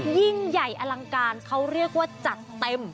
ยิ่งใหญ่อลังการเขาเรียกว่าจัดเต็ม